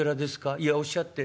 いやおっしゃって。